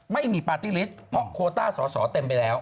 ไม่มีปาร์ตี้ลิสต์เพราะโคต้าสอสอเต็มไปแล้ว